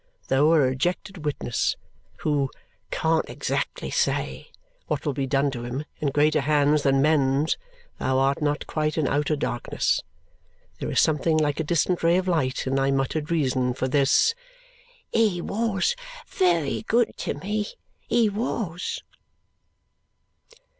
Though a rejected witness, who "can't exactly say" what will be done to him in greater hands than men's, thou art not quite in outer darkness. There is something like a distant ray of light in thy muttered reason for this: "He wos wery good to me, he wos!"